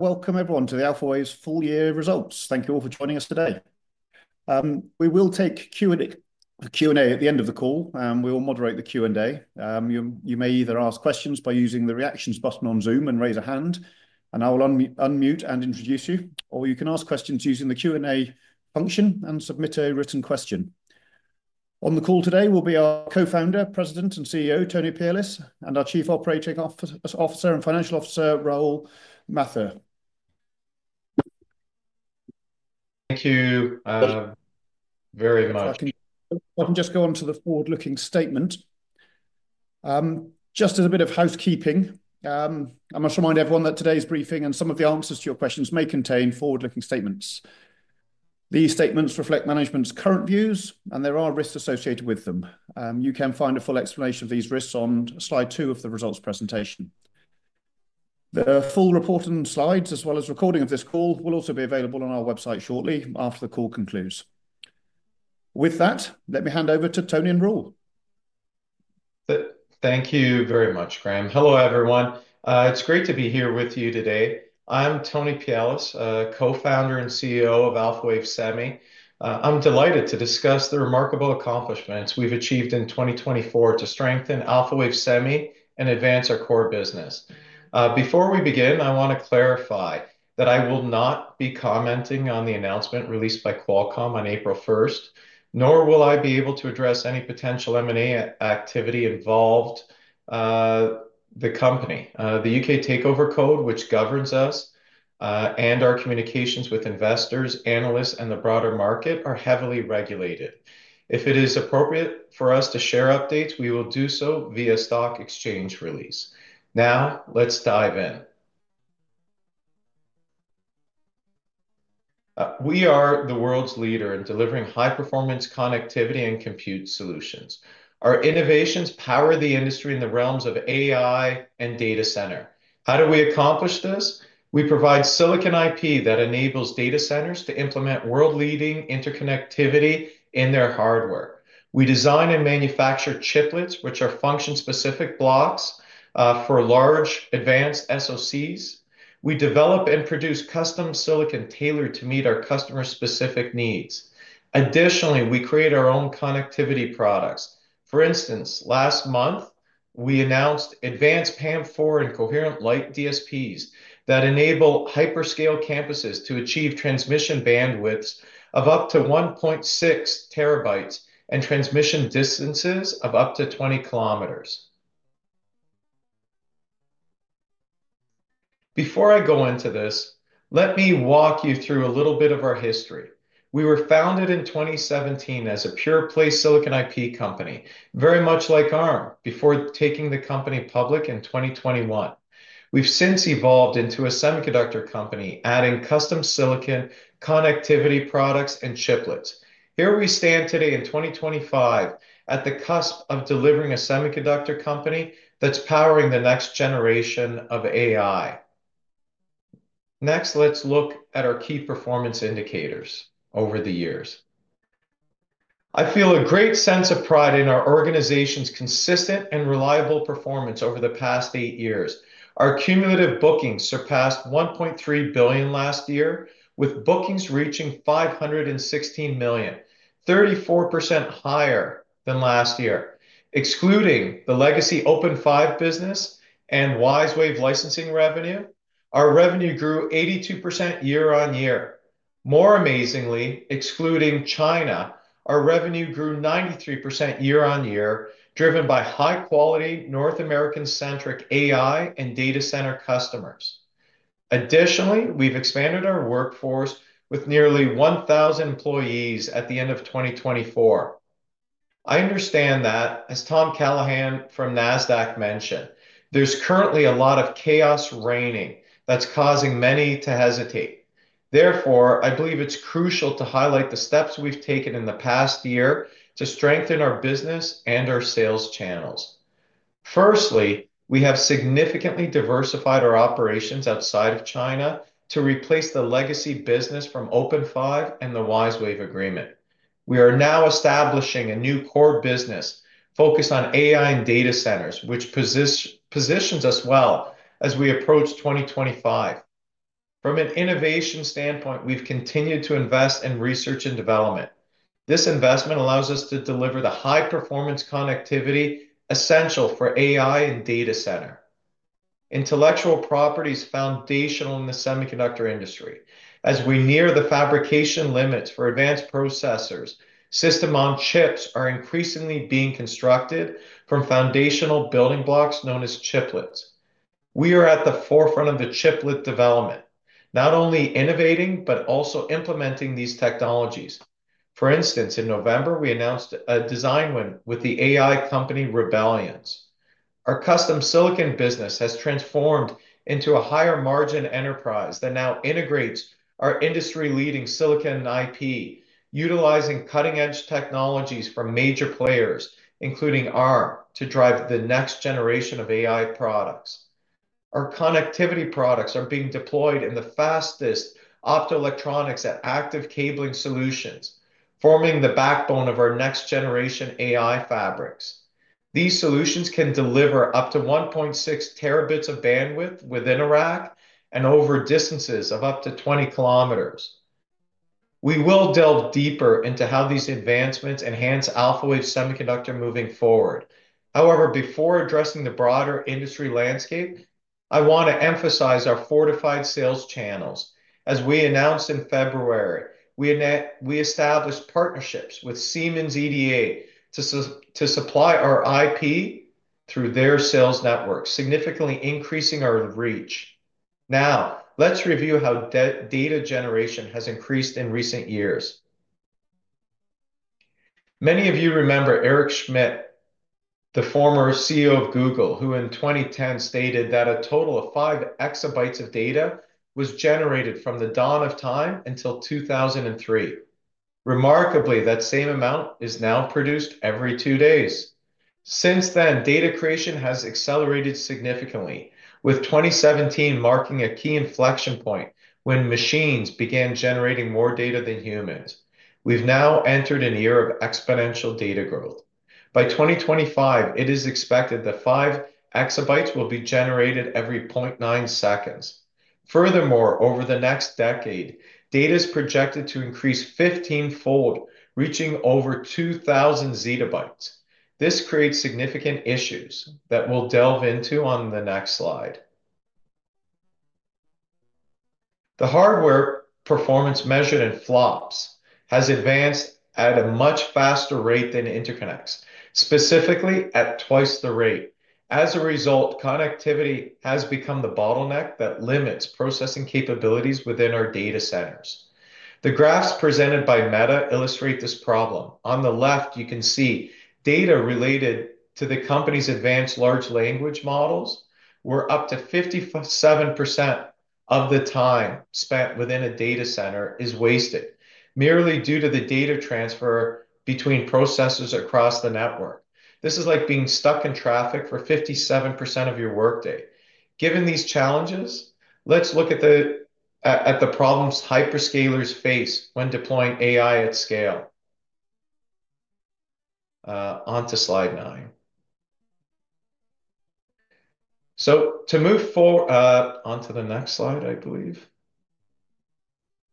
Welcome, everyone, to Alphawave's full year results. Thank you all for joining us today. We will take Q&A at the end of the call, and we will moderate the Q&A. You may either ask questions by using the reactions button on Zoom and raise a hand, and I will unmute and introduce you. Or you can ask questions using the Q&A function and submit a written question. On the call today will be our Co-Founder, President, and CEO, Tony Pialis, and our Chief Operating Officer and Chief Financial Officer, Rahul Mathur. Thank you very much. I can just go on to the forward-looking statement. Just as a bit of housekeeping, I must remind everyone that today's briefing and some of the answers to your questions may contain forward-looking statements. These statements reflect management's current views, and there are risks associated with them. You can find a full explanation of these risks on slide two of the results presentation. The full report and slides, as well as recording of this call, will also be available on our website shortly after the call concludes. With that, let me hand over to Tony and Rahul. Thank you very much, Graham. Hello, everyone. It's great to be here with you today. I'm Tony Pialis, co-founder and CEO of Alphawave Semi. I'm delighted to discuss the remarkable accomplishments we've achieved in 2024 to strengthen Alphawave Semi and advance our core business. Before we begin, I want to clarify that I will not be commenting on the announcement released by Qualcomm on April 1st, nor will I be able to address any potential M&A activity involved. The company, the U.K. Takeover Code, which governs us and our communications with investors, analysts, and the broader market, are heavily regulated. If it is appropriate for us to share updates, we will do so via stock exchange release. Now, let's dive in. We are the world's leader in delivering high-performance connectivity and compute solutions. Our innovations power the industry in the realms of AI and data center. How do we accomplish this? We provide silicon IP that enables data centers to implement world-leading interconnectivity in their hardware. We design and manufacture chiplets, which are function-specific blocks for large advanced SOCs. We develop and produce custom silicon tailored to meet our customer-specific needs. Additionally, we create our own connectivity products. For instance, last month, we announced advanced PAM4 and coherent light DSPs that enable hyperscale campuses to achieve transmission bandwidths of up to 1.6T and transmission distances of up to 20 kilometers. Before I go into this, let me walk you through a little bit of our history. We were founded in 2017 as a pure-play silicon IP company, very much like Alphawave, before taking the company public in 2021. We've since evolved into a semiconductor company, adding custom silicon connectivity products and chiplets. Here we stand today in 2025 at the cusp of delivering a semiconductor company that's powering the next generation of AI. Next, let's look at our key performance indicators over the years. I feel a great sense of pride in our organization's consistent and reliable performance over the past 8 years. Our cumulative bookings surpassed $1.3 billion last year, with bookings reaching $516 million, 34% higher than last year. Excluding the legacy OpenFive business and WiseWave licensing revenue, our revenue grew 82% year-on-year. More amazingly, excluding China, our revenue grew 93% year-on-year, driven by high-quality North American-centric AI and data center customers. Additionally, we've expanded our workforce with nearly 1,000 employees at the end of 2024. I understand that, as Tom Callahan from Nasdaq mentioned, there's currently a lot of chaos reigning that's causing many to hesitate. Therefore, I believe it's crucial to highlight the steps we've taken in the past year to strengthen our business and our sales channels. Firstly, we have significantly diversified our operations outside of China to replace the legacy business from OpenFive and the WiseWave agreement. We are now establishing a new core business focused on AI and data centers, which positions us well as we approach 2025. From an innovation standpoint, we've continued to invest in research and development. This investment allows us to deliver the high-performance connectivity essential for AI and data center. Intellectual property is foundational in the semiconductor industry. As we near the fabrication limits for advanced processors, system-on-chips are increasingly being constructed from foundational building blocks known as chiplets. We are at the forefront of the chiplet development, not only innovating, but also implementing these technologies. For instance, in November, we announced a design win with the AI company Rebellions. Our custom silicon business has transformed into a higher-margin enterprise that now integrates our industry-leading silicon IP, utilizing cutting-edge technologies from major players, including Arm, to drive the next generation of AI products. Our connectivity products are being deployed in the fastest optoelectronics and active cabling solutions, forming the backbone of our next-generation AI fabrics. These solutions can deliver up to 1.6T of bandwidth within a rack and over distances of up to 20 kilometers. We will delve deeper into how these advancements enhance Alphawave IP Group moving forward. However, before addressing the broader industry landscape, I want to emphasize our fortified sales channels. As we announced in February, we established partnerships with Siemens EDA to supply our IP through their sales network, significantly increasing our reach. Now, let's review how data generation has increased in recent years. Many of you remember Eric Schmidt, the former CEO of Google, who in 2010 stated that a total of 5 EB of data was generated from the dawn of time until 2003. Remarkably, that same amount is now produced every two days. Since then, data creation has accelerated significantly, with 2017 marking a key inflection point when machines began generating more data than humans. We've now entered an era of exponential data growth. By 2025, it is expected that 5 EB will be generated every 0.9 seconds. Furthermore, over the next decade, data is projected to increase 15-fold, reaching over 2,000 ZB. This creates significant issues that we'll delve into on the next slide. The hardware performance measured in flops has advanced at a much faster rate than interconnects, specifically at twice the rate. As a result, connectivity has become the bottleneck that limits processing capabilities within our data centers. The graphs presented by Meta illustrate this problem. On the left, you can see data related to the company's advanced large language models, where up to 57% of the time spent within a data center is wasted, merely due to the data transfer between processors across the network. This is like being stuck in traffic for 57% of your workday. Given these challenges, let's look at the problems hyperscalers face when deploying AI at scale. On to slide 9. To move forward onto the next slide, I believe.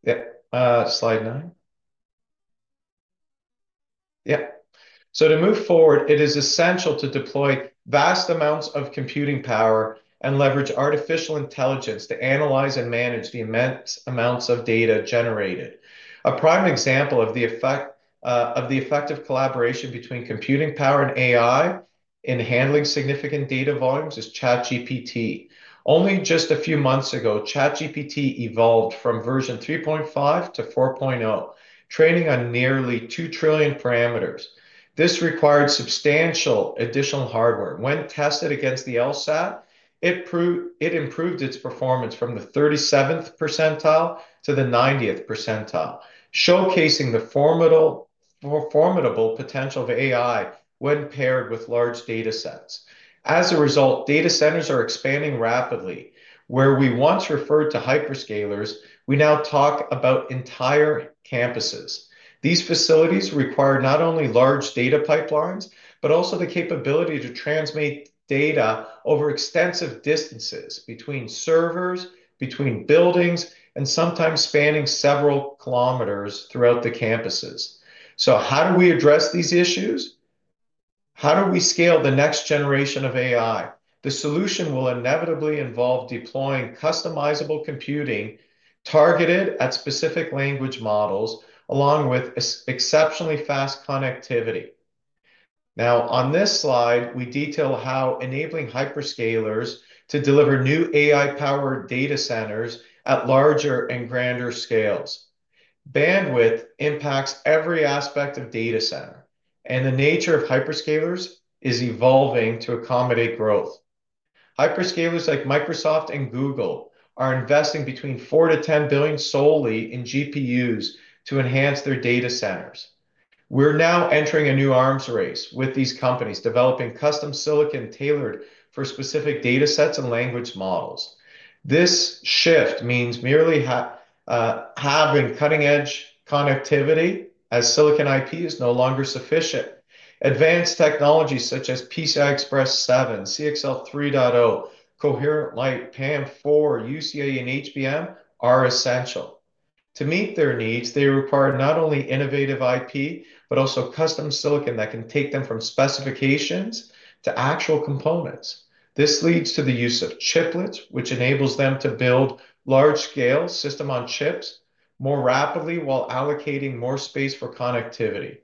Yeah, slide 9. Yeah. To move forward, it is essential to deploy vast amounts of computing power and leverage artificial intelligence to analyze and manage the immense amounts of data generated. A prime example of the effective collaboration between computing power and AI in handling significant data volumes is ChatGPT. Only just a few months ago, ChatGPT evolved from version 3.5 to 4.0, training on nearly 2 trillion parameters. This required substantial additional hardware. When tested against the LSAT, it improved its performance from the 37th percentile to the 90th percentile, showcasing the formidable potential of AI when paired with large data sets. As a result, data centers are expanding rapidly. Where we once referred to hyperscalers, we now talk about entire campuses. These facilities require not only large data pipelines, but also the capability to transmit data over extensive distances between servers, between buildings, and sometimes spanning several kilometers throughout the campuses. How do we address these issues? How do we scale the next generation of AI? The solution will inevitably involve deploying customizable computing targeted at specific language models, along with exceptionally fast connectivity. Now, on this slide, we detail how enabling hyperscalers to deliver new AI-powered data centers at larger and grander scales. Bandwidth impacts every aspect of data center, and the nature of hyperscalers is evolving to accommodate growth. Hyperscalers like Microsoft and Google are investing between $4 billion and $10 billion solely in GPUs to enhance their data centers. We're now entering a new Arms race with these companies developing custom silicon tailored for specific data sets and language models. This shift means merely having cutting-edge connectivity as silicon IP is no longer sufficient. Advanced technologies such as PCI Express 7, CXL 3.0, coherent light, PAM4, UEC, and HBM are essential. To meet their needs, they require not only innovative IP, but also custom silicon that can take them from specifications to actual components. This leads to the use of chiplets, which enables them to build large-scale system-on-chips more rapidly while allocating more space for connectivity.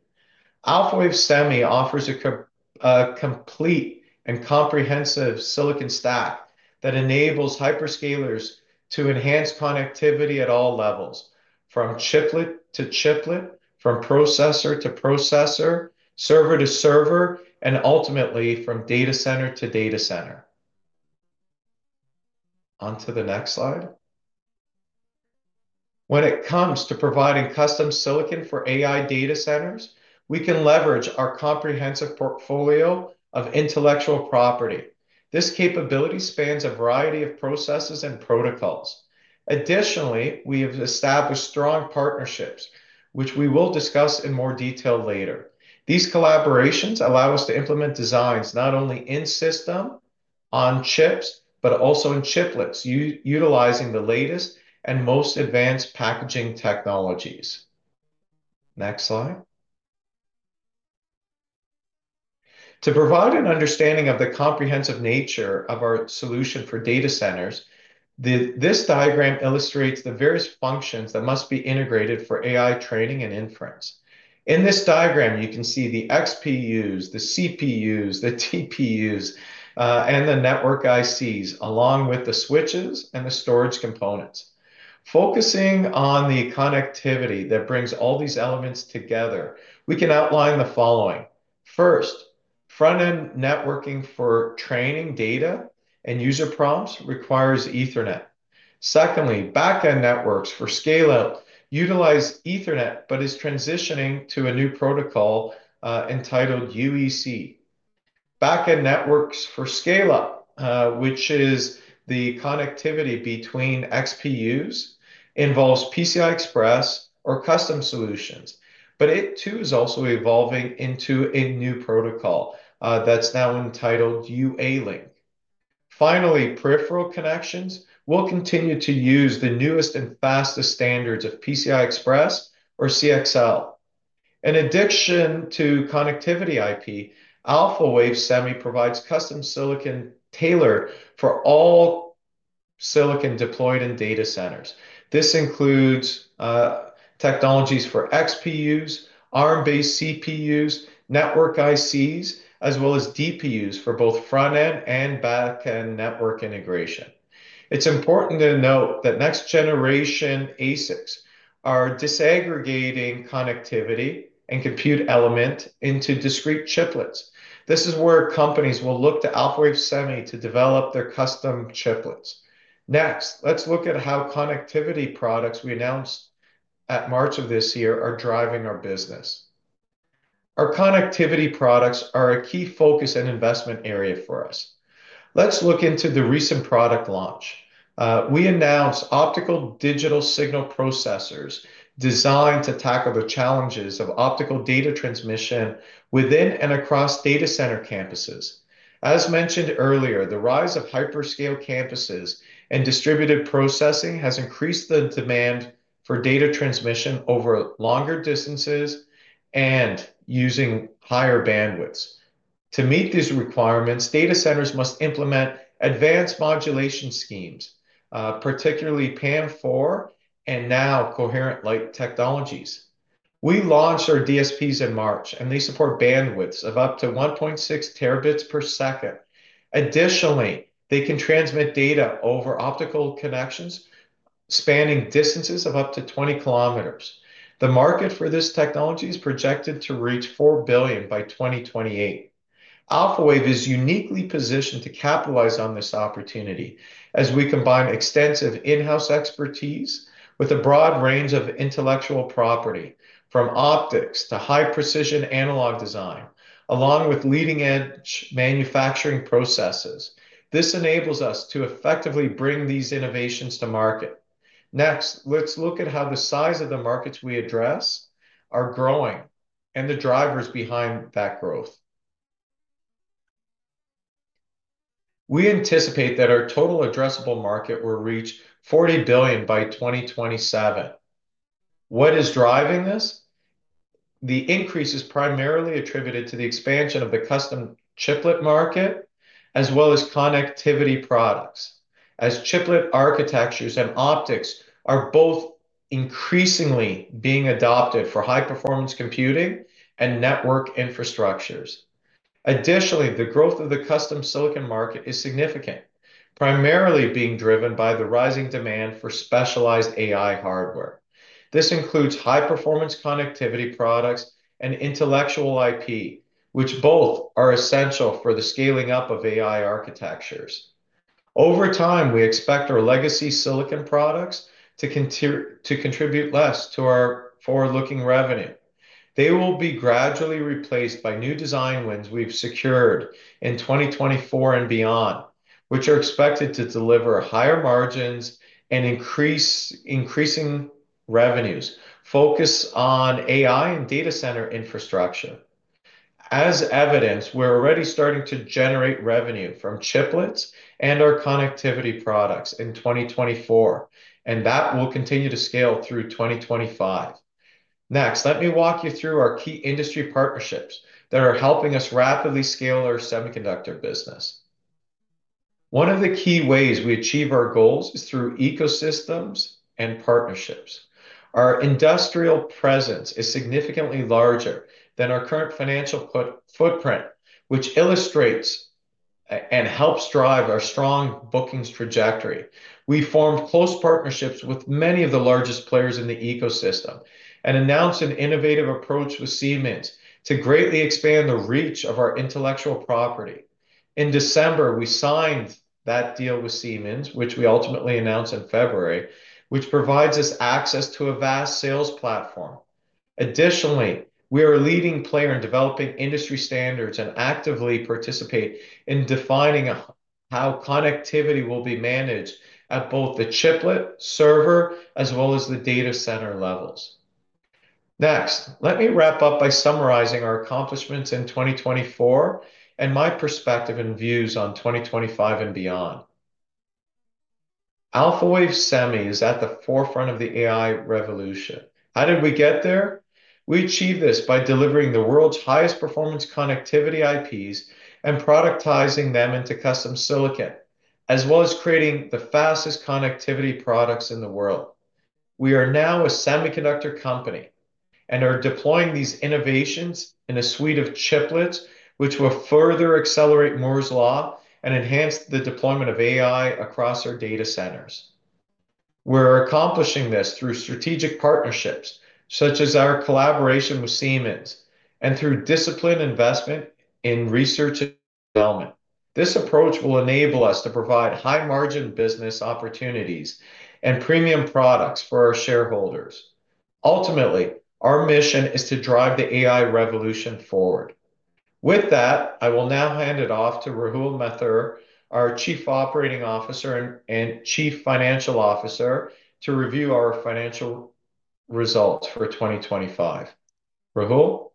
Alphawave Semi offers a complete and comprehensive silicon stack that enables hyperscalers to enhance connectivity at all levels, from chiplet to chiplet, from processor to processor, server to server, and ultimately from data center to data center. On to the next slide. When it comes to providing custom silicon for AI data centers, we can leverage our comprehensive portfolio of intellectual property. This capability spans a variety of processes and protocols. Additionally, we have established strong partnerships, which we will discuss in more detail later. These collaborations allow us to implement designs not only in system-on-chips, but also in chiplets, utilizing the latest and most advanced packaging technologies. Next slide. To provide an understanding of the comprehensive nature of our solution for data centers, this diagram illustrates the various functions that must be integrated for AI training and inference. In this diagram, you can see the XPUs, the CPUs, the TPUs, and the network ICs, along with the switches and the storage components. Focusing on the connectivity that brings all these elements together, we can outline the following. First, front-end networking for training data and user prompts requires Ethernet. Secondly, back-end networks for scale-up utilize Ethernet, but is transitioning to a new protocol entitled UEC. Back-end networks for scale-up, which is the connectivity between XPUs, involves PCI Express or custom solutions, but it too is also evolving into a new protocol that's now entitled UALink. Finally, peripheral connections will continue to use the newest and fastest standards of PCI Express or CXL. In addition to connectivity IP, Alphawave Semi provides custom silicon tailored for all silicon deployed in data centers. This includes technologies for XPUs, Arm-based CPUs, network ICs, as well as DPUs for both front-end and back-end network integration. It's important to note that next-generation ASICs are disaggregating connectivity and compute elements into discrete chiplets. This is where companies will look to Alphawave Semi to develop their custom chiplets. Next, let's look at how connectivity products we announced at March of this year are driving our business. Our connectivity products are a key focus and investment area for us. Let's look into the recent product launch. We announced optical digital signal processors designed to tackle the challenges of optical data transmission within and across data center campuses. As mentioned earlier, the rise of hyperscale campuses and distributed processing has increased the demand for data transmission over longer distances and using higher bandwidths. To meet these requirements, data centers must implement advanced modulation schemes, particularly PAM4 and now coherent light technologies. We launched our DSPs in March, and they support bandwidths of up to 1.6T per second. Additionally, they can transmit data over optical connections spanning distances of up to 20 km. The market for this technology is projected to reach $4 billion by 2028. Alphawave is uniquely positioned to capitalize on this opportunity as we combine extensive in-house expertise with a broad range of intellectual property from optics to high-precision analog design, along with leading-edge manufacturing processes. This enables us to effectively bring these innovations to market. Next, let's look at how the size of the markets we address are growing and the drivers behind that growth. We anticipate that our total addressable market will reach $40 billion by 2027. What is driving this? The increase is primarily attributed to the expansion of the custom chiplet market, as well as connectivity products, as chiplet architectures and optics are both increasingly being adopted for high-performance computing and network infrastructures. Additionally, the growth of the custom silicon market is significant, primarily being driven by the rising demand for specialized AI hardware. This includes high-performance connectivity products and intellectual IP, which both are essential for the scaling up of AI architectures. Over time, we expect our legacy silicon products to contribute less to our forward-looking revenue. They will be gradually replaced by new design wins we've secured in 2024 and beyond, which are expected to deliver higher margins and increasing revenues. Focus on AI and data center infrastructure. As evidence, we're already starting to generate revenue from chiplets and our connectivity products in 2024, and that will continue to scale through 2025. Next, let me walk you through our key industry partnerships that are helping us rapidly scale our semiconductor business. One of the key ways we achieve our goals is through ecosystems and partnerships. Our industrial presence is significantly larger than our current financial footprint, which illustrates and helps drive our strong bookings trajectory. We formed close partnerships with many of the largest players in the ecosystem and announced an innovative approach with Siemens to greatly expand the reach of our intellectual property. In December, we signed that deal with Siemens, which we ultimately announced in February, which provides us access to a vast sales platform. Additionally, we are a leading player in developing industry standards and actively participate in defining how connectivity will be managed at both the chiplet, server, as well as the data center levels. Next, let me wrap up by summarizing our accomplishments in 2024 and my perspective and views on 2025 and beyond. Alphawave Semi is at the forefront of the AI revolution. How did we get there? We achieved this by delivering the world's highest performance connectivity IPs and productizing them into custom silicon, as well as creating the fastest connectivity products in the world. We are now a semiconductor company and are deploying these innovations in a suite of chiplets, which will further accelerate Moore's Law and enhance the deployment of AI across our data centers. We're accomplishing this through strategic partnerships, such as our collaboration with Siemens, and through disciplined investment in research and development. This approach will enable us to provide high-margin business opportunities and premium products for our shareholders. Ultimately, our mission is to drive the AI revolution forward. With that, I will now hand it off to Rahul Mathur, our Chief Operating Officer and Chief Financial Officer, to review our financial results for 2025. Rahul?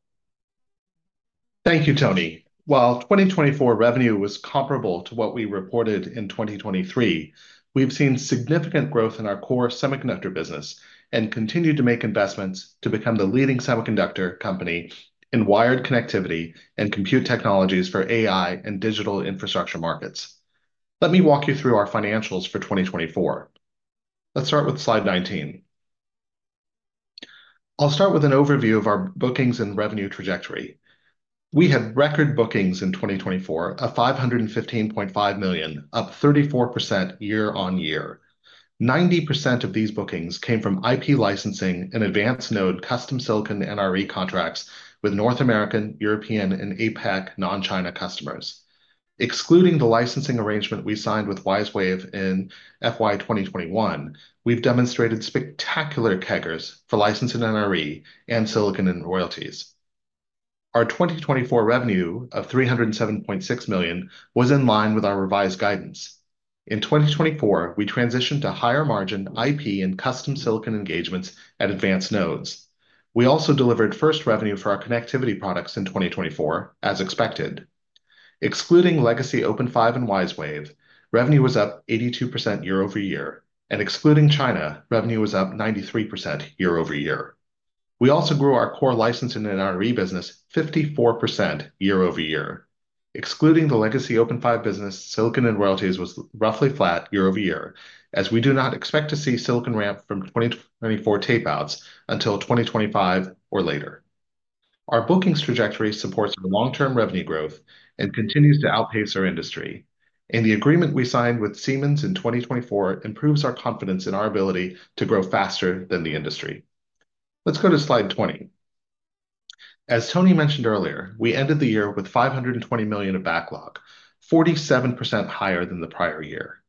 Thank you, Tony. While 2024 revenue was comparable to what we reported in 2023, we've seen significant growth in our core semiconductor business and continue to make investments to become the leading semiconductor company in wired connectivity and compute technologies for AI and digital infrastructure markets. Let me walk you through our financials for 2024. Let's start with slide 19. I'll start with an overview of our bookings and revenue trajectory. We had record bookings in 2024 of $515.5 million, up 34% year-on-year. 90% of these bookings came from IP licensing and advanced node custom silicon NRE contracts with North American, European, and APAC non-China customers. Excluding the licensing arrangement we signed with WiseWave in FY 2021, we've demonstrated spectacular CAGRs for licensing NRE and silicon royalties. Our 2024 revenue of $307.6 million was in line with our revised guidance. In 2024, we transitioned to higher margin IP and custom silicon engagements at advanced nodes. We also delivered first revenue for our connectivity products in 2024, as expected. Excluding legacy OpenFive and WiseWave, revenue was up 82% year-over-year, and excluding China, revenue was up 93% year-over-year. We also grew our core licensing and NRE business 54% year-over-year. Excluding the legacy OpenFive business, silicon and royalties were roughly flat year-over-year, as we do not expect to see silicon ramp from 2024 tapeouts until 2025 or later. Our bookings trajectory supports our long-term revenue growth and continues to outpace our industry. The agreement we signed with Siemens in 2024 improves our confidence in our ability to grow faster than the industry. Let's go to slide 20. As Tony mentioned earlier, we ended the year with $520 million of backlog, 47% higher than the prior year.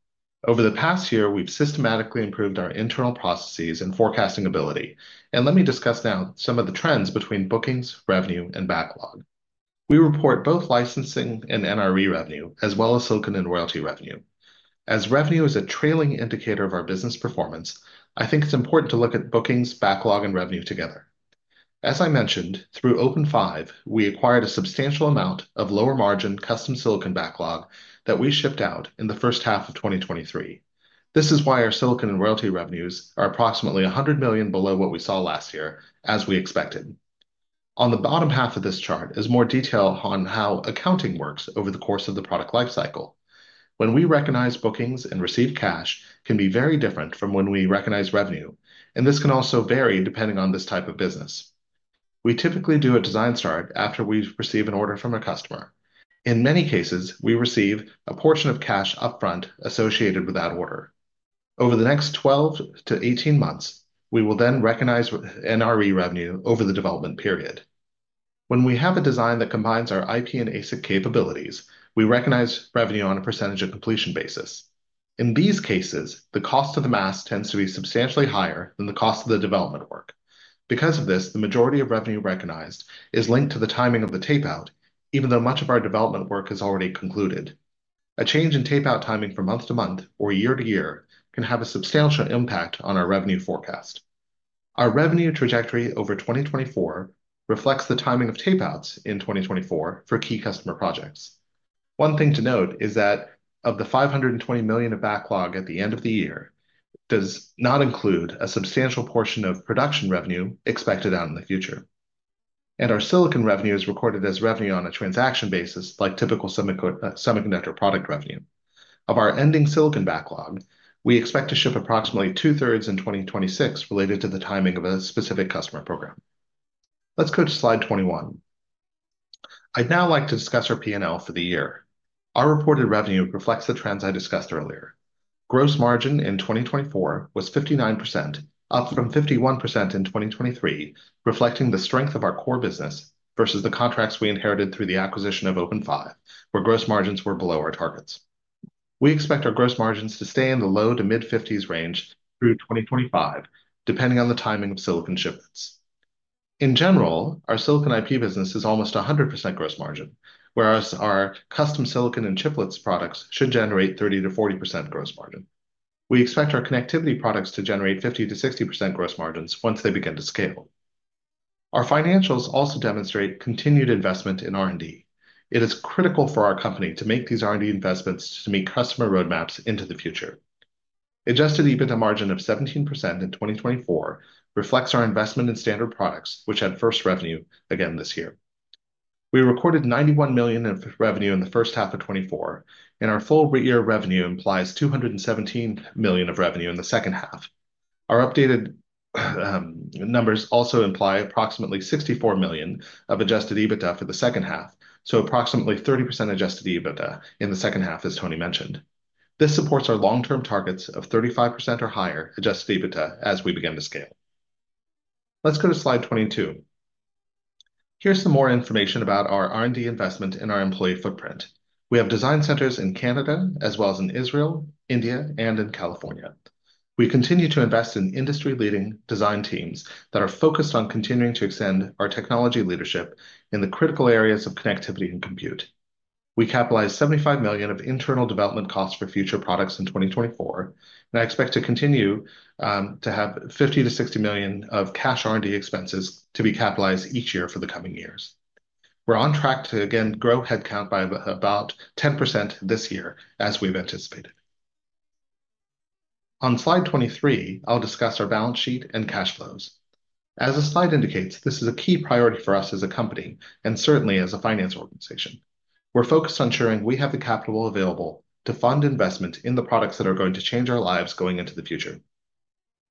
Over the past year, we've systematically improved our internal processes and forecasting ability. Let me discuss now some of the trends between bookings, revenue, and backlog. We report both licensing and NRE revenue, as well as silicon and royalty revenue. As revenue is a trailing indicator of our business performance, I think it's important to look at bookings, backlog, and revenue together. As I mentioned, through OpenFive, we acquired a substantial amount of lower-margin custom silicon backlog that we shipped out in the first half of 2023. This is why our silicon and royalty revenues are approximately $100 million below what we saw last year, as we expected. On the bottom half of this chart is more detail on how accounting works over the course of the product lifecycle. When we recognize bookings and receive cash, it can be very different from when we recognize revenue, and this can also vary depending on this type of business. We typically do a design start after we receive an order from a customer. In many cases, we receive a portion of cash upfront associated with that order. Over the next 12 to 18 months, we will then recognize NRE revenue over the development period. When we have a design that combines our IP and ASIC capabilities, we recognize revenue on a percentage of completion basis. In these cases, the cost of the mass tends to be substantially higher than the cost of the development work. Because of this, the majority of revenue recognized is linked to the timing of the tapeout, even though much of our development work is already concluded. A change in tapeout timing from month to month or year to year can have a substantial impact on our revenue forecast. Our revenue trajectory over 2024 reflects the timing of tapeouts in 2024 for key customer projects. One thing to note is that of the $520 million of backlog at the end of the year, it does not include a substantial portion of production revenue expected out in the future. Our silicon revenue is recorded as revenue on a transaction basis, like typical semiconductor product revenue. Of our ending silicon backlog, we expect to ship approximately two-thirds in 2026 related to the timing of a specific customer program. Let's go to slide 21. I'd now like to discuss our P&L for the year. Our reported revenue reflects the trends I discussed earlier. Gross margin in 2024 was 59%, up from 51% in 2023, reflecting the strength of our core business versus the contracts we inherited through the acquisition of OpenFive, where gross margins were below our targets. We expect our gross margins to stay in the low to mid-50% range through 2025, depending on the timing of silicon shipments. In general, our silicon IP business is almost 100% gross margin, whereas our custom silicon and chiplets products should generate 30%-40% gross margin. We expect our connectivity products to generate 50%-60% gross margins once they begin to scale. Our financials also demonstrate continued investment in R&D. It is critical for our company to make these R&D investments to meet customer roadmaps into the future. Adjusted EBITDA margin of 17% in 2024 reflects our investment in standard products, which had first revenue again this year. We recorded $91 million of revenue in the first half of 2024, and our full year revenue implies $217 million of revenue in the second half. Our updated numbers also imply approximately $64 million of adjusted EBITDA for the second half, so approximately 30% adjusted EBITDA in the second half, as Tony mentioned. This supports our long-term targets of 35% or higher adjusted EBITDA as we begin to scale. Let's go to slide 22. Here's some more information about our R&D investment in our employee footprint. We have design centers in Canada, as well as in Israel, India, and in California. We continue to invest in industry-leading design teams that are focused on continuing to extend our technology leadership in the critical areas of connectivity and compute. We capitalized $75 million of internal development costs for future products in 2024, and I expect to continue to have $50-$60 million of cash R&D expenses to be capitalized each year for the coming years. We're on track to again grow headcount by about 10% this year, as we've anticipated. On slide 23, I'll discuss our balance sheet and cash flows. As the slide indicates, this is a key priority for us as a company and certainly as a finance organization. We're focused on ensuring we have the capital available to fund investment in the products that are going to change our lives going into the future.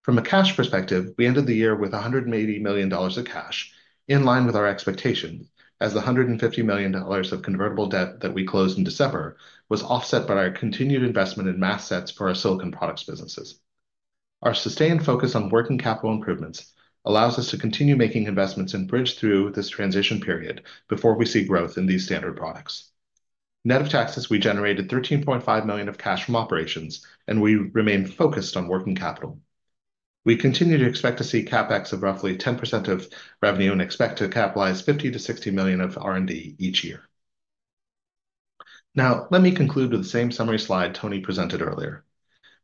From a cash perspective, we ended the year with $180 million of cash, in line with our expectations, as the $150 million of convertible debt that we closed in December was offset by our continued investment in mass sets for our silicon products businesses. Our sustained focus on working capital improvements allows us to continue making investments and bridge through this transition period before we see growth in these standard products. Net of taxes, we generated $13.5 million of cash from operations, and we remain focused on working capital. We continue to expect to see CapEx of roughly 10% of revenue and expect to capitalize $50-$60 million of R&D each year. Now, let me conclude with the same summary slide Tony presented earlier.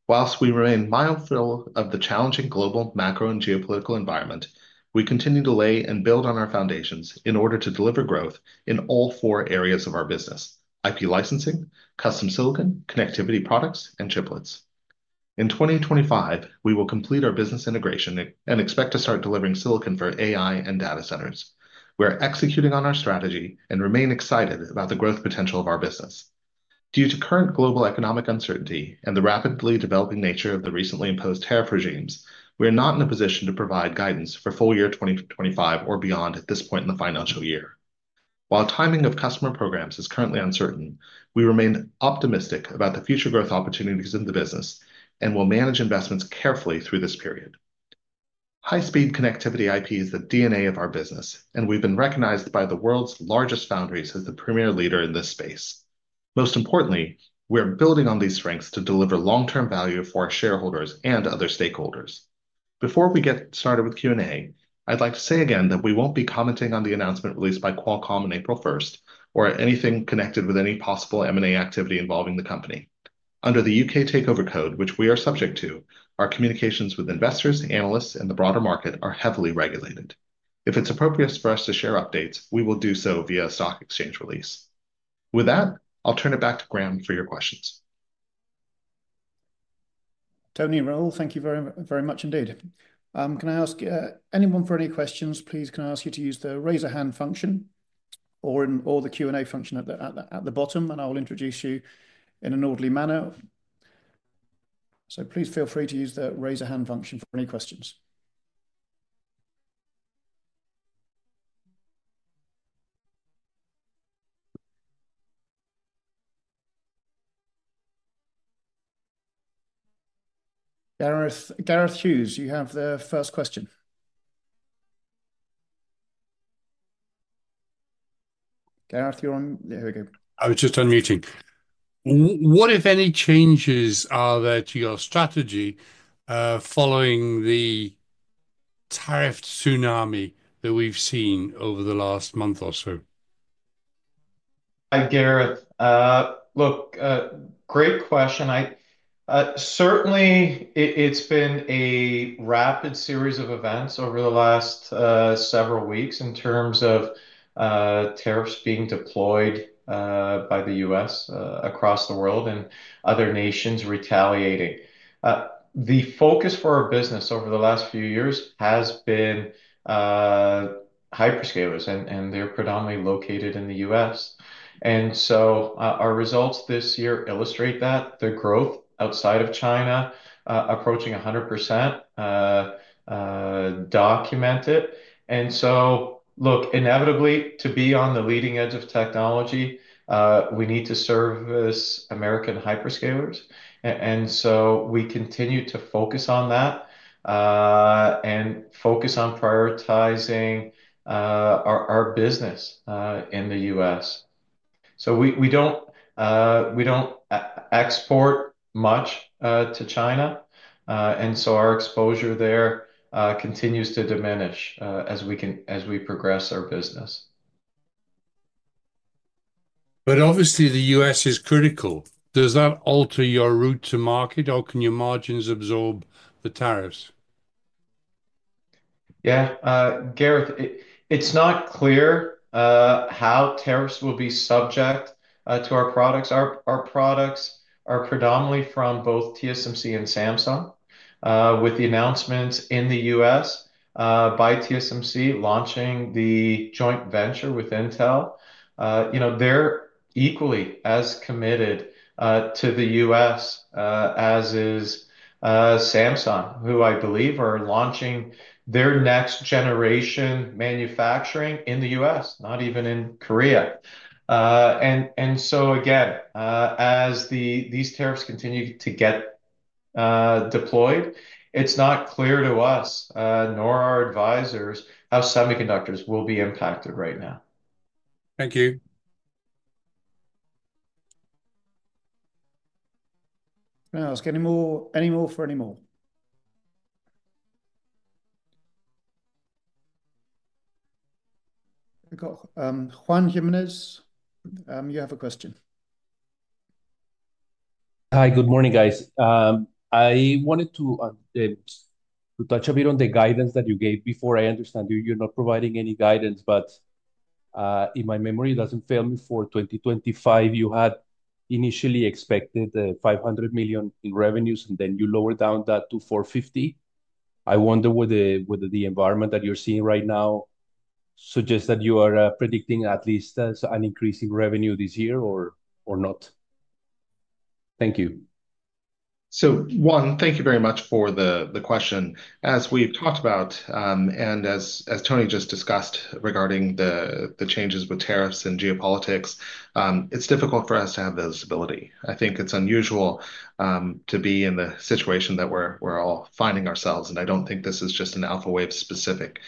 Whilst we remain mindful of the challenging global macro and geopolitical environment, we continue to lay and build on our foundations in order to deliver growth in all four areas of our business: IP licensing, custom silicon, connectivity products, and chiplets. In 2025, we will complete our business integration and expect to start delivering silicon for AI and data centers. We're executing on our strategy and remain excited about the growth potential of our business. Due to current global economic uncertainty and the rapidly developing nature of the recently imposed tariff regimes, we are not in a position to provide guidance for full year 2025 or beyond at this point in the financial year. While timing of customer programs is currently uncertain, we remain optimistic about the future growth opportunities in the business and will manage investments carefully through this period. High-speed connectivity IP is the DNA of our business, and we've been recognized by the world's largest foundries as the premier leader in this space. Most importantly, we're building on these strengths to deliver long-term value for our shareholders and other stakeholders. Before we get started with Q&A, I'd like to say again that we won't be commenting on the announcement released by Qualcomm on April 1st or anything connected with any possible M&A activity involving the company. Under the U.K. Takeover Code, which we are subject to, our communications with investors, analysts, and the broader market are heavily regulated. If it's appropriate for us to share updates, we will do so via a stock exchange release. With that, I'll turn it back to Graham for your questions. Tony Pialis, thank you very much indeed. Can I ask anyone for any questions? Please, can I ask you to use the raise a hand function or the Q&A function at the bottom, and I will introduce you in an orderly manner. Please feel free to use the raise a hand function for any questions. Gareth Hughes, you have the first question. Gareth, you're on. There we go. I was just unmuting. What, if any, changes are there to your strategy following the tariff tsunami that we've seen over the last month or so? Hi, Gareth. Great question. Certainly, it's been a rapid series of events over the last several weeks in terms of tariffs being deployed by the U.S. across the world and other nations retaliating. The focus for our business over the last few years has been hyperscalers, and they're predominantly located in the U.S. Our results this year illustrate that. The growth outside of China approaching 100% document it. Look, inevitably, to be on the leading edge of technology, we need to service American hyperscalers. We continue to focus on that and focus on prioritizing our business in the U.S. We do not export much to China, and our exposure there continues to diminish as we progress our business. Obviously, the U.S. is critical. Does that alter your route to market, or can your margins absorb the tariffs? Yeah, Gareth, it is not clear how tariffs will be subject to our products. Our products are predominantly from both TSMC and Samsung. With the announcements in the U.S. by TSMC launching the joint venture with Intel, they are equally as committed to the U.S. as is Samsung, who I believe are launching their next generation manufacturing in the U.S., not even in Korea. As these tariffs continue to get deployed, it's not clear to us, nor our advisors, how semiconductors will be impacted right now. Thank you. Is there any more for any more? Juan Jiménez, you have a question. Hi, good morning, guys. I wanted to touch a bit on the guidance that you gave before. I understand you're not providing any guidance, but if my memory doesn't fail me for 2025, you had initially expected $500 million in revenues, and then you lowered that to $450 million. I wonder whether the environment that you're seeing right now suggests that you are predicting at least an increase in revenue this year or not. Thank you. Juan, thank you very much for the question. As we've talked about and as Tony just discussed regarding the changes with tariffs and geopolitics, it's difficult for us to have visibility. I think it's unusual to be in the situation that we're all finding ourselves, and I don't think this is just an Alphawave-specific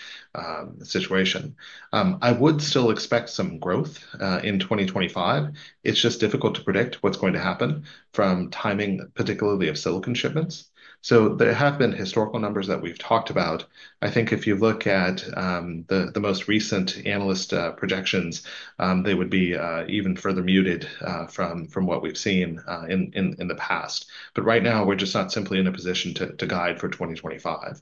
situation. I would still expect some growth in 2025. It's just difficult to predict what's going to happen from timing, particularly of silicon shipments. There have been historical numbers that we've talked about. I think if you look at the most recent analyst projections, they would be even further muted from what we've seen in the past. Right now, we're just not simply in a position to guide for 2025.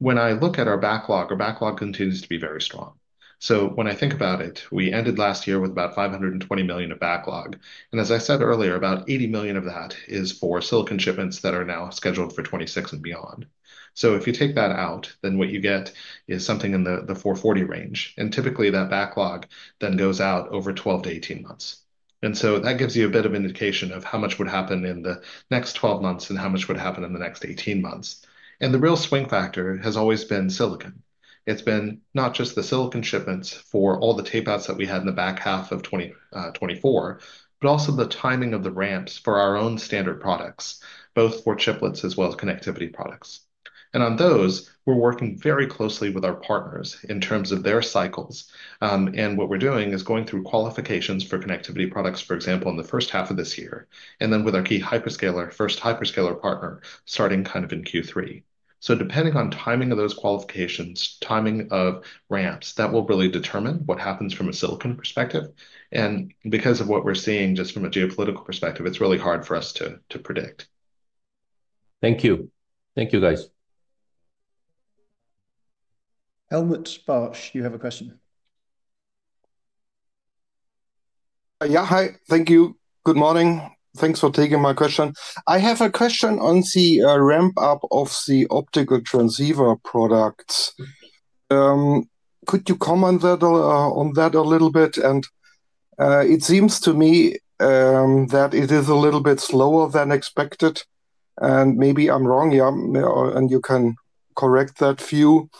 When I look at our backlog, our backlog continues to be very strong. When I think about it, we ended last year with about $520 million of backlog. As I said earlier, about $80 million of that is for silicon shipments that are now scheduled for 2026 and beyond. If you take that out, then what you get is something in the $440 million range. Typically, that backlog then goes out over 12-18 months. That gives you a bit of an indication of how much would happen in the next 12 months and how much would happen in the next 18 months. The real swing factor has always been silicon. It has been not just the silicon shipments for all the tapeouts that we had in the back half of 2024, but also the timing of the ramps for our own standard products, both for chiplets as well as connectivity products. On those, we are working very closely with our partners in terms of their cycles. What we are doing is going through qualifications for connectivity products, for example, in the first half of this year, and then with our key hyperscaler, first hyperscaler partner, starting kind of in Q3. Depending on timing of those qualifications, timing of ramps, that will really determine what happens from a silicon perspective. Because of what we are seeing just from a geopolitical perspective, it is really hard for us to predict. Thank you. Thank you, guys. Helmut Sparsch, you have a question. Yeah, hi. Thank you. Good morning. Thanks for taking my question. I have a question on the ramp-up of the optical transceiver products. Could you comment on that a little bit? It seems to me that it is a little bit slower than expected. Maybe I am wrong, and you can correct that view.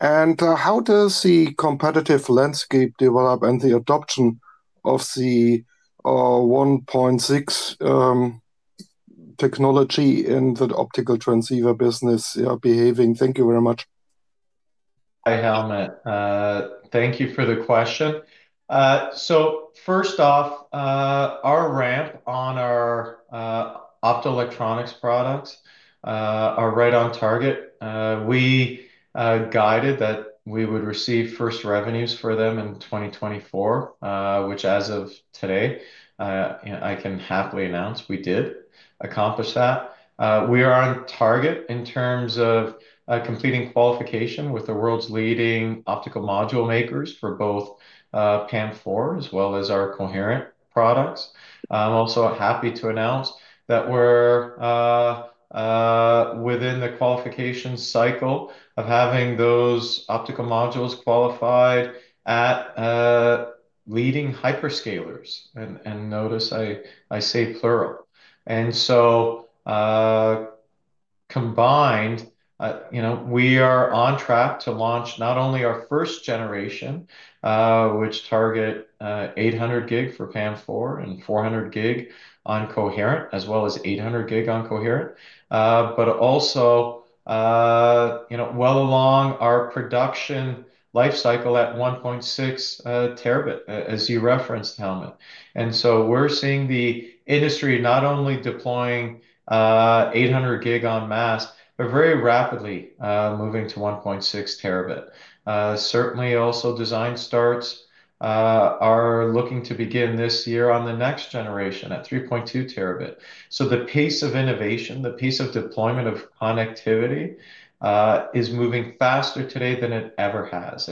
How does the competitive landscape develop and the adoption of the 1.6 technology in the optical transceiver business behave? Thank you very much. Hi, Helmut. Thank you for the question. First off, our ramp on our optoelectronics products is right on target. We guided that we would receive first revenues for them in 2024, which as of today, I can happily announce we did accomplish that. We are on target in terms of completing qualification with the world's leading optical module makers for both PAM4 as well as our Coherent products. I'm also happy to announce that we're within the qualification cycle of having those optical modules qualified at leading hyperscalers. Notice I say plural. Combined, we are on track to launch not only our first generation, which targets 800 gig for PAM4 and 400 gig on Coherent, as well as 800 gig on Coherent, but also well along our production life cycle at 1.6T, as you referenced, Helmut. We are seeing the industry not only deploying 800 gig on mass, but very rapidly moving to 1.6T. Certainly, also design starts are looking to begin this year on the next generation at 3.2 TB. The pace of innovation, the pace of deployment of connectivity is moving faster today than it ever has.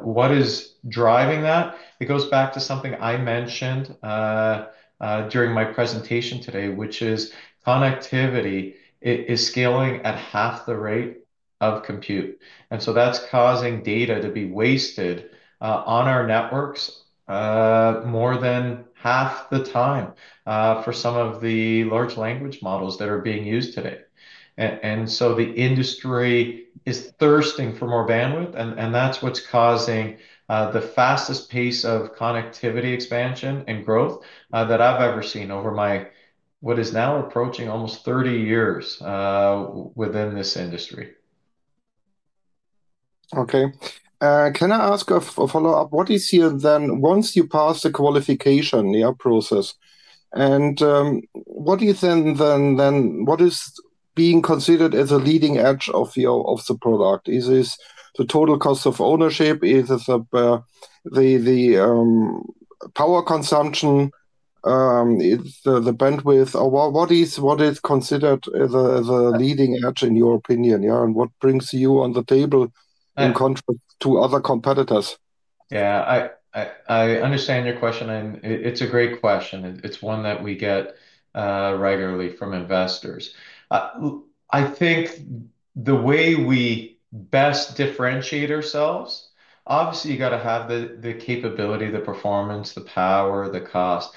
What is driving that? It goes back to something I mentioned during my presentation today, which is connectivity is scaling at half the rate of compute. That's causing data to be wasted on our networks more than half the time for some of the large language models that are being used today. The industry is thirsting for more bandwidth, and that's what's causing the fastest pace of connectivity expansion and growth that I've ever seen over my what is now approaching almost 30 years within this industry. Okay. Can I ask a follow-up? What is your then once you pass the qualification process, and what is then being considered as a leading edge of the product? Is this the total cost of ownership? Is it the power consumption? Is it the bandwidth? What is considered the leading edge in your opinion? And what brings you on the table in contrast to other competitors? Yeah, I understand your question, and it's a great question. It's one that we get regularly from investors. I think the way we best differentiate ourselves, obviously, you got to have the capability, the performance, the power, the cost.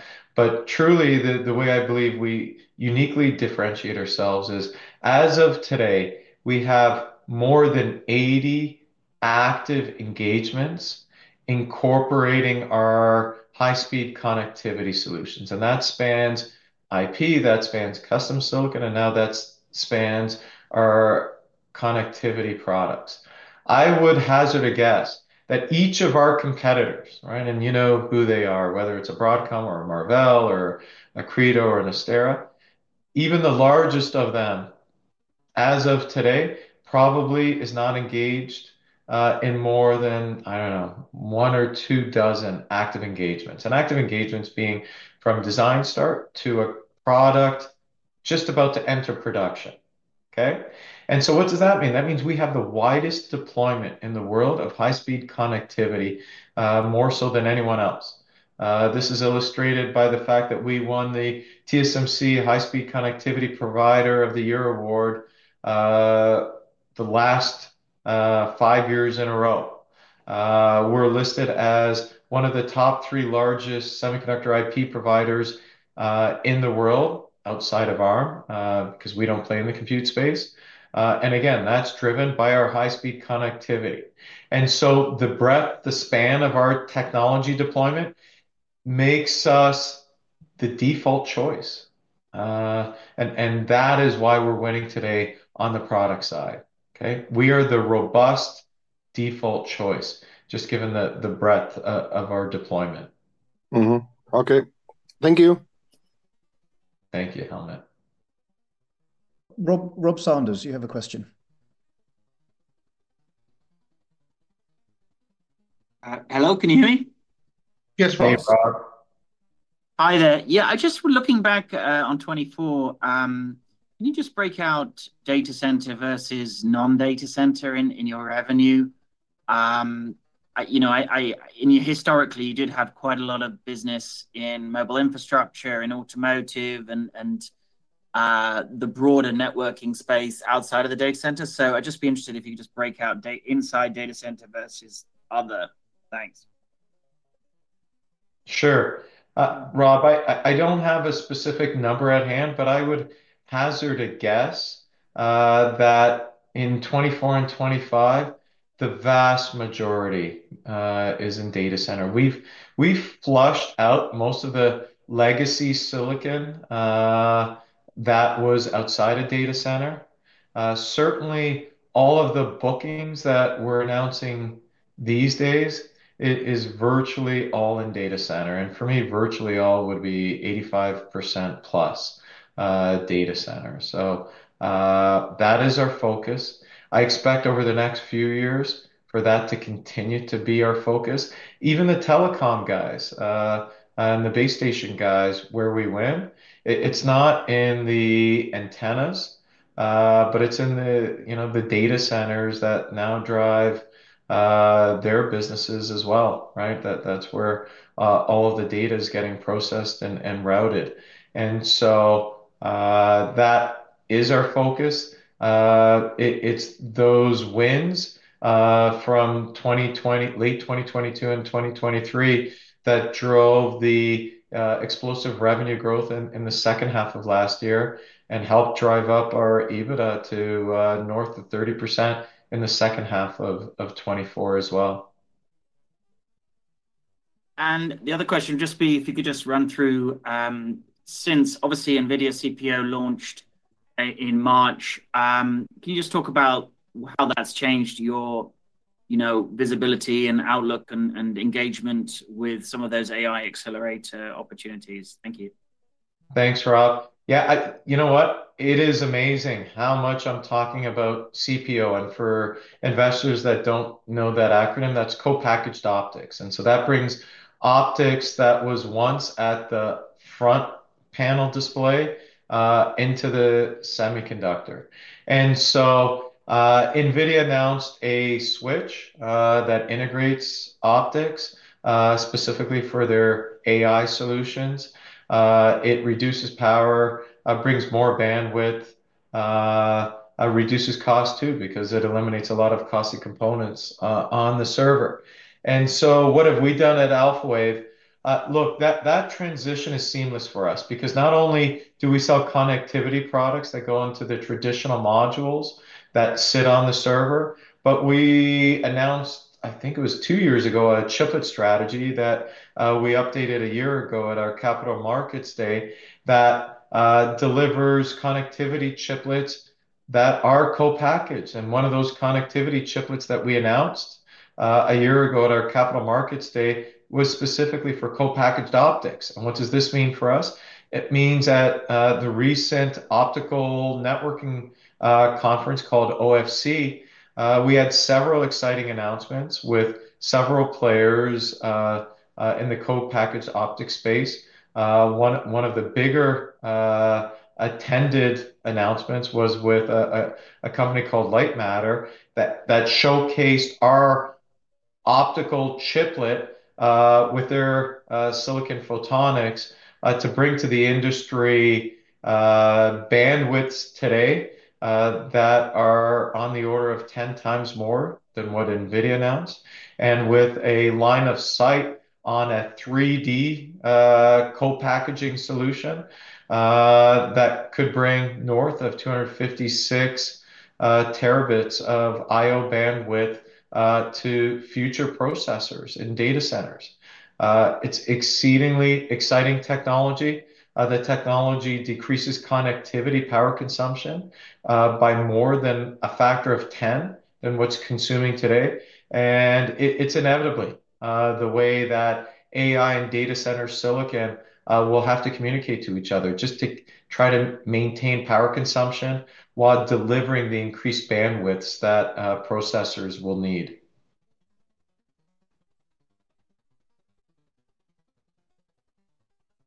Truly, the way I believe we uniquely differentiate ourselves is as of today, we have more than 80 active engagements incorporating our high-speed connectivity solutions. That spans IP, that spans custom silicon, and now that spans our connectivity products. I would hazard a guess that each of our competitors, right, and you know who they are, whether it's a Broadcom or a Marvell or a Credo or an Astera, even the largest of them as of today probably is not engaged in more than, I do not know, one or two dozen active engagements. Active engagements being from design start to a product just about to enter production. Okay? What does that mean? That means we have the widest deployment in the world of high-speed connectivity, more so than anyone else. This is illustrated by the fact that we won the TSMC High-Speed Connectivity Provider of the Year award the last 5 years in a row. We are listed as one of the top three largest semiconductor IP providers in the world outside of Arm because we do not play in the compute space. Again, that is driven by our high-speed connectivity. The breadth, the span of our technology deployment makes us the default choice. That is why we are winning today on the product side. Okay? We are the robust default choice, just given the breadth of our deployment. Okay. Thank you. Thank you, Helmut. Rob Sanders, you have a question. Hello, can you hear me? Yes, Rob. Hi, there. Yeah, I just was looking back on 2024. Can you just break out data center versus non-data center in your revenue? In your historically, you did have quite a lot of business in mobile infrastructure, in automotive, and the broader networking space outside of the data center. I'd just be interested if you could just break out inside data center versus other. Thanks. Sure. Rob, I do not have a specific number at hand, but I would hazard a guess that in 2024 and 2025, the vast majority is in data center. We have flushed out most of the legacy silicon that was outside of data center. Certainly, all of the bookings that we are announcing these days is virtually all in data center. For me, virtually all would be 85% plus data center. That is our focus. I expect over the next few years for that to continue to be our focus. Even the telecom guys and the base station guys where we win, it's not in the antennas, but it's in the data centers that now drive their businesses as well, right? That's where all of the data is getting processed and routed. That is our focus. It's those wins from late 2022 and 2023 that drove the explosive revenue growth in the second half of last year and helped drive up our EBITDA to north of 30% in the second half of 2024 as well. The other question, just if you could just run through, since obviously NVIDIA CPO launched in March, can you just talk about how that's changed your visibility and outlook and engagement with some of those AI accelerator opportunities? Thank you. Thanks, Rob. Yeah, you know what? It is amazing how much I'm talking about CPO. For investors that do not know that acronym, that is co-packaged optics. That brings optics that was once at the front panel display into the semiconductor. NVIDIA announced a switch that integrates optics specifically for their AI solutions. It reduces power, brings more bandwidth, and reduces cost too because it eliminates a lot of costly components on the server. What have we done at Alphawave? That transition is seamless for us because not only do we sell connectivity products that go into the traditional modules that sit on the server, but we announced, I think it was 2 years ago, a chiplet strategy that we updated a year ago at our Capital Markets Day that delivers connectivity chiplets that are co-packaged. One of those connectivity chiplets that we announced a year ago at our Capital Markets Day was specifically for co-packaged optics. What does this mean for us? It means at the recent optical networking conference called OFC, we had several exciting announcements with several players in the co-packaged optic space. One of the bigger attended announcements was with a company called Lightmatter that showcased our optical chiplet with their silicon photonics to bring to the industry bandwidths today that are on the order of 10 times more than what NVIDIA announced, and with a line of sight on a 3D co-packaging solution that could bring north of 256 TB of IO bandwidth to future processors in data centers. It's exceedingly exciting technology. The technology decreases connectivity power consumption by more than a factor of 10 than what's consuming today. It is inevitably the way that AI and data center silicon will have to communicate to each other just to try to maintain power consumption while delivering the increased bandwidths that processors will need.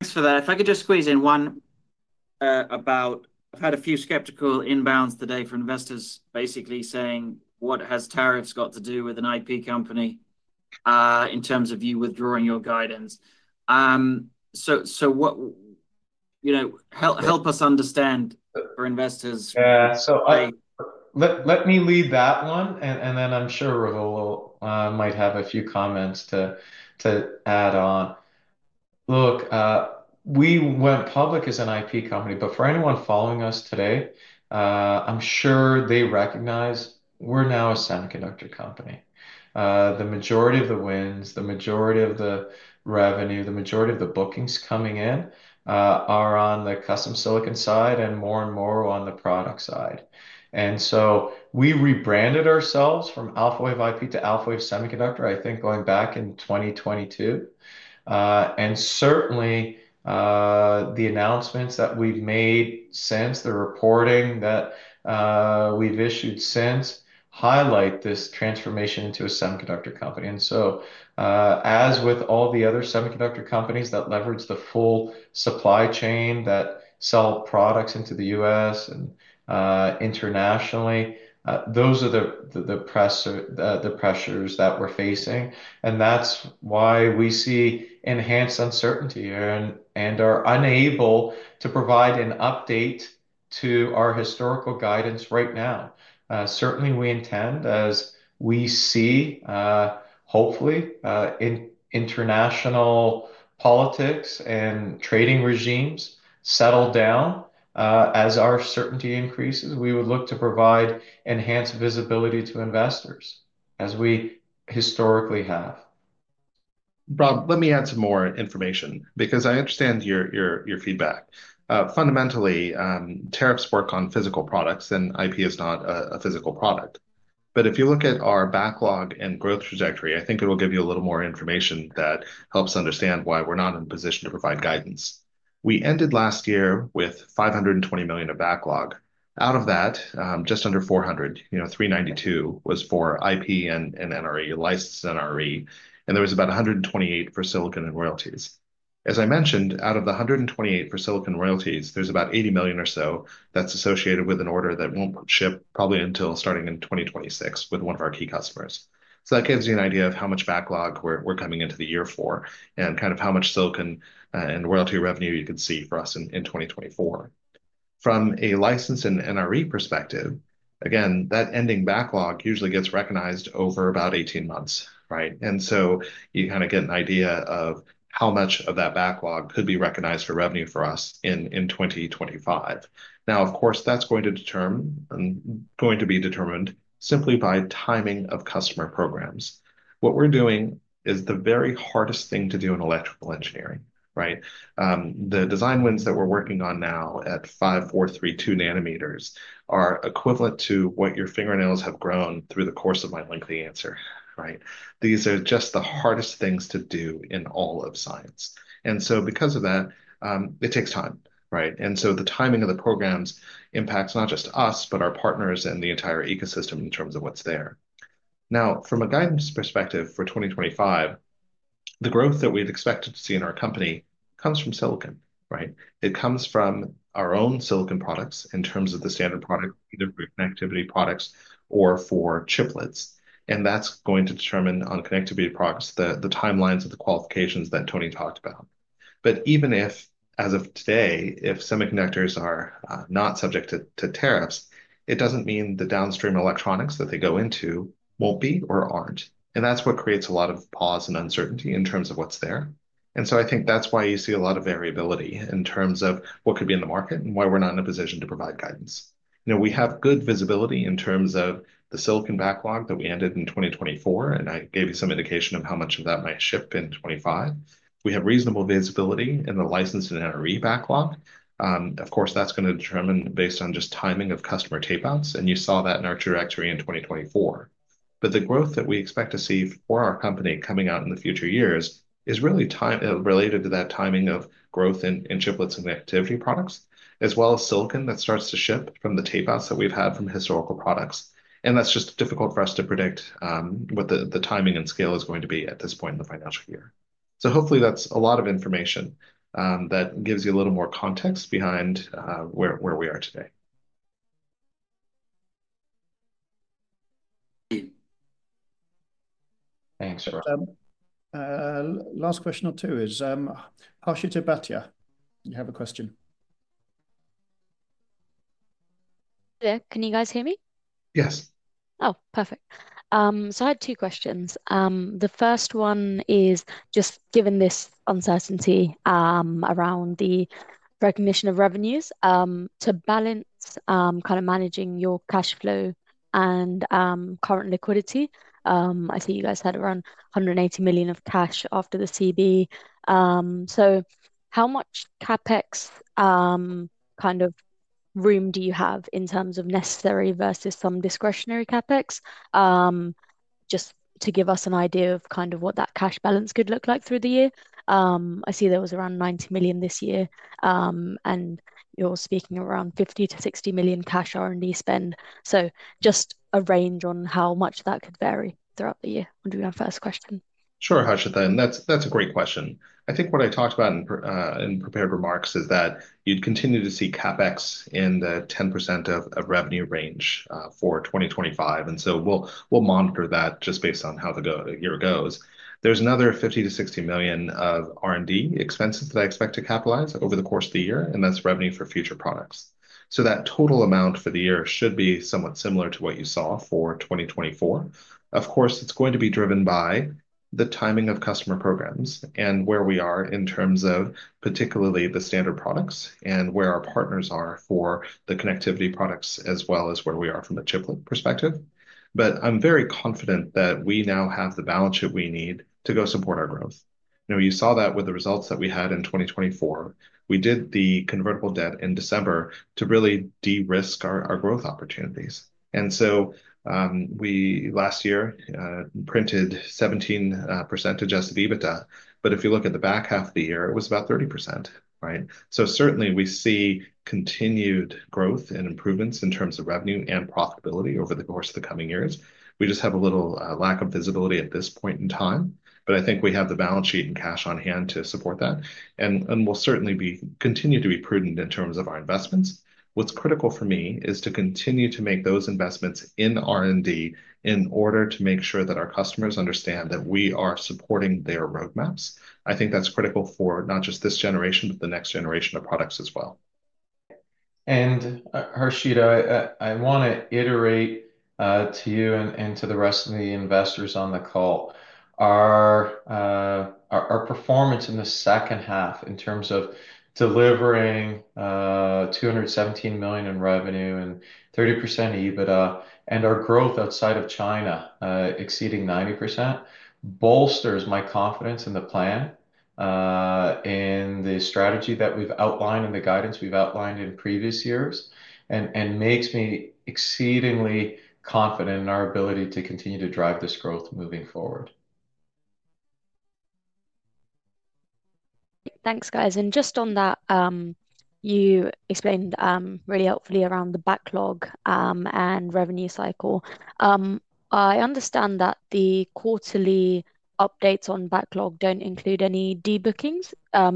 Thanks for that. If I could just squeeze in one about, I have had a few skeptical inbounds today from investors basically saying, "What has tariffs got to do with an IP company in terms of you withdrawing your guidance?" Help us understand for investors. Yeah. Let me lead that one, and then I am sure Rob might have a few comments to add on. Look, we went public as an IP company, but for anyone following us today, I am sure they recognize we are now a semiconductor company. The majority of the wins, the majority of the revenue, the majority of the bookings coming in are on the custom silicon side and more and more on the product side. We rebranded ourselves from Alphawave IP to Alphawave Semiconductor, I think going back in 2022. Certainly, the announcements that we've made since, the reporting that we've issued since highlight this transformation into a semiconductor company. As with all the other semiconductor companies that leverage the full supply chain that sell products into the US and internationally, those are the pressures that we're facing. That is why we see enhanced uncertainty and are unable to provide an update to our historical guidance right now. Certainly, we intend as we see, hopefully, international politics and trading regimes settle down as our certainty increases, we would look to provide enhanced visibility to investors as we historically have. Rob, let me add some more information because I understand your feedback. Fundamentally, tariffs work on physical products and IP is not a physical product. If you look at our backlog and growth trajectory, I think it will give you a little more information that helps understand why we're not in a position to provide guidance. We ended last year with $520 million of backlog. Out of that, just under $400 million, $392 million, was for IP and NRE, licensed NRE. There was about $128 million for silicon and royalties. As I mentioned, out of the $128 million for silicon and royalties, there's about $80 million or so that's associated with an order that won't ship probably until starting in 2026 with one of our key customers. That gives you an idea of how much backlog we're coming into the year for and kind of how much silicon and royalty revenue you can see for us in 2024. From a licensed and NRE perspective, again, that ending backlog usually gets recognized over about 18 months, right? You kind of get an idea of how much of that backlog could be recognized for revenue for us in 2025. Now, of course, that's going to determine and going to be determined simply by timing of customer programs. What we're doing is the very hardest thing to do in electrical engineering, right? The design wins that we're working on now at 5, 4, 3, 2 nanometers are equivalent to what your fingernails have grown through the course of my lengthy answer, right? These are just the hardest things to do in all of science. Because of that, it takes time, right? The timing of the programs impacts not just us, but our partners and the entire ecosystem in terms of what is there. Now, from a guidance perspective for 2025, the growth that we have expected to see in our company comes from silicon, right? It comes from our own silicon products in terms of the standard product, either for connectivity products or for chiplets. That is going to determine on connectivity products the timelines of the qualifications that Tony talked about. Even if, as of today, if semiconductors are not subject to tariffs, it does not mean the downstream electronics that they go into will not be or are not. That is what creates a lot of pause and uncertainty in terms of what is there. I think that's why you see a lot of variability in terms of what could be in the market and why we're not in a position to provide guidance. We have good visibility in terms of the silicon backlog that we ended in 2024, and I gave you some indication of how much of that might ship in 2025. We have reasonable visibility in the licensed and NRE backlog. Of course, that's going to determine based on just timing of customer tapeouts, and you saw that in our trajectory in 2024. The growth that we expect to see for our company coming out in the future years is really related to that timing of growth in chiplets and connectivity products, as well as silicon that starts to ship from the tapeouts that we've had from historical products. That's just difficult for us to predict what the timing and scale is going to be at this point in the financial year. Hopefully that's a lot of information that gives you a little more context behind where we are today. Thanks, Rob. Last question or two is Harshita Bhatia. You have a question. Can you guys hear me? Yes. Oh, perfect. I had two questions. The first one is just given this uncertainty around the recognition of revenues, to balance kind of managing your cash flow and current liquidity. I see you guys had around $180 million of cash after the CB. How much CapEx kind of room do you have in terms of necessary versus some discretionary CapEx? Just to give us an idea of kind of what that cash balance could look like through the year. I see there was around $90 million this year, and you're speaking around $50 million-$60 million cash R&D spend. Just a range on how much that could vary throughout the year. Want to do our first question? Sure, Harshita then. That's a great question. I think what I talked about in prepared remarks is that you'd continue to see CapEx in the 10% of revenue range for 2025. We'll monitor that just based on how the year goes. There's another $50 million-$60 million of R&D expenses that I expect to capitalize over the course of the year, and that's revenue for future products. That total amount for the year should be somewhat similar to what you saw for 2024. Of course, it's going to be driven by the timing of customer programs and where we are in terms of particularly the standard products and where our partners are for the connectivity products, as well as where we are from the chiplet perspective. I am very confident that we now have the balance sheet we need to go support our growth. You saw that with the results that we had in 2024. We did the convertible debt in December to really de-risk our growth opportunities. Last year we printed 17% adjusted EBITDA, but if you look at the back half of the year, it was about 30%, right? Certainly we see continued growth and improvements in terms of revenue and profitability over the course of the coming years. We just have a little lack of visibility at this point in time, but I think we have the balance sheet and cash on hand to support that. We'll certainly continue to be prudent in terms of our investments. What's critical for me is to continue to make those investments in R&D in order to make sure that our customers understand that we are supporting their roadmaps. I think that's critical for not just this generation, but the next generation of products as well. Harshita, I want to iterate to you and to the rest of the investors on the call. Our performance in the second half in terms of delivering $217 million in revenue and 30% EBITDA, and our growth outside of China exceeding 90%, bolsters my confidence in the plan and the strategy that we've outlined and the guidance we've outlined in previous years and makes me exceedingly confident in our ability to continue to drive this growth moving forward. Thanks, guys. Just on that, you explained really helpfully around the backlog and revenue cycle. I understand that the quarterly updates on backlog do not include any debookings.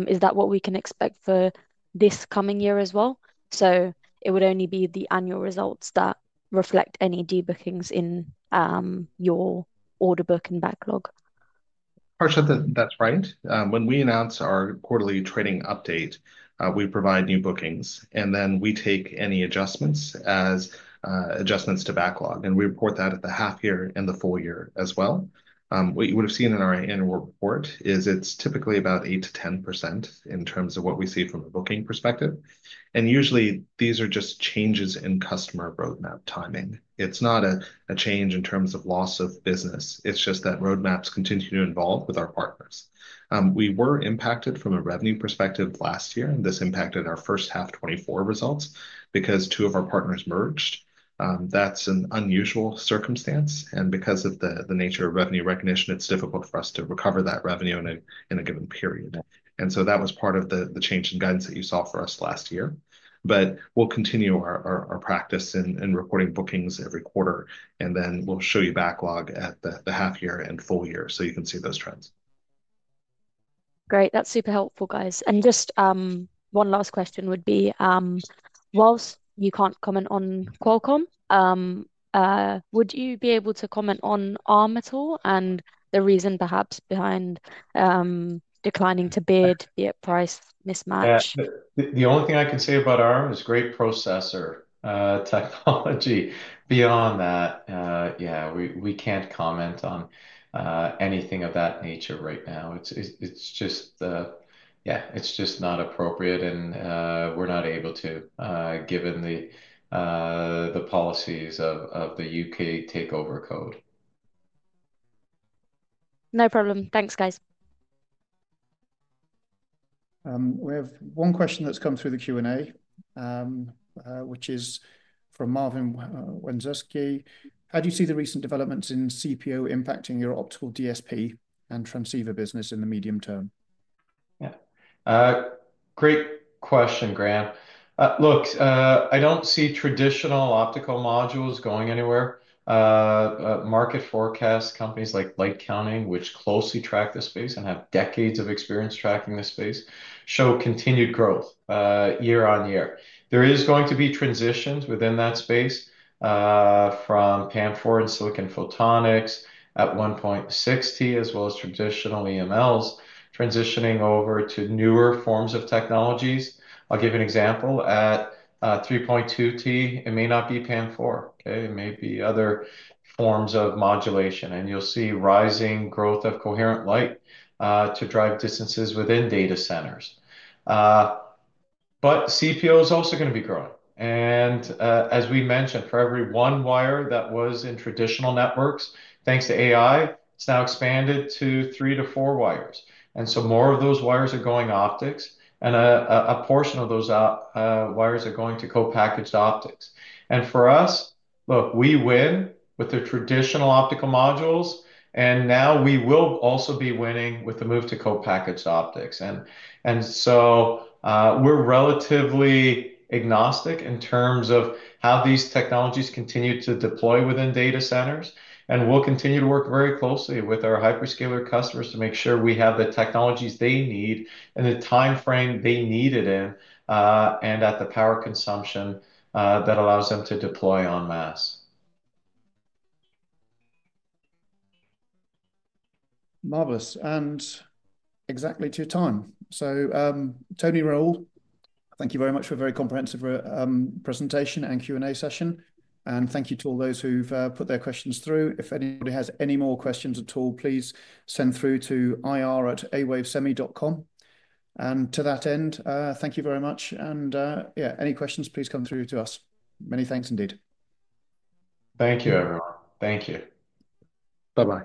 Is that what we can expect for this coming year as well? It would only be the annual results that reflect any debookings in your order book and backlog? Harshita, that's right. When we announce our quarterly trading update, we provide new bookings, and then we take any adjustments as adjustments to backlog, and we report that at the half year and the full year as well. What you would have seen in our annual report is it's typically about 8%-10% in terms of what we see from a booking perspective. And usually, these are just changes in customer roadmap timing. It's not a change in terms of loss of business. It's just that roadmaps continue to evolve with our partners. We were impacted from a revenue perspective last year, and this impacted our first half 2024 results because two of our partners merged. That's an unusual circumstance. And because of the nature of revenue recognition, it's difficult for us to recover that revenue in a given period. That was part of the change in guidance that you saw for us last year. We'll continue our practice in reporting bookings every quarter, and then we'll show you backlog at the half year and full year so you can see those trends. Great. That's super helpful, guys. Just one last question would be, whilst you can't comment on Qualcomm, would you be able to comment on Arm at all and the reason perhaps behind declining to bid, the price mismatch? Yeah. The only thing I can say about Arm is great processor technology. Beyond that, we can't comment on anything of that nature right now. It's just not appropriate, and we're not able to given the policies of the U.K. Takeover Code. No problem. Thanks, guys. We have one question that's come through the Q&A, which is from Marvin Wanzowski. How do you see the recent developments in CPO impacting your optical DSP and transceiver business in the medium term? Yeah. Great question, Graham. Look, I do not see traditional optical modules going anywhere. Market forecast companies like LightCounting, which closely track this space and have decades of experience tracking this space, show continued growth year on year. There is going to be transitions within that space from PAM4 and silicon shotonics at 1.6T, as well as traditional EMLs transitioning over to newer forms of technologies. I'll give you an example. At 3.2T, it may not be PAM4, okay? It may be other forms of modulation. You will see rising growth of coherent light to drive distances within data centers. CPO is also going to be growing. As we mentioned, for every one wire that was in traditional networks, thanks to AI, it has now expanded to 3 - 4 wires. More of those wires are going optics, and a portion of those wires are going to co-packaged optics. For us, look, we win with the traditional optical modules, and now we will also be winning with the move to co-packaged optics. We are relatively agnostic in terms of how these technologies continue to deploy within data centers. We will continue to work very closely with our hyperscaler customers to make sure we have the technologies they need, in the timeframe they need it in, and at the power consumption that allows them to deploy en masse. Marvellous. Exactly to your time. Tony, Rahul, thank you very much for a very comprehensive presentation and Q&A session. Thank you to all those who've put their questions through. If anybody has any more questions at all, please send through to ir@awavesemi.com. To that end, thank you very much. Any questions, please come through to us. Many thanks indeed. Thank you, everyone. Thank you. Bye-bye.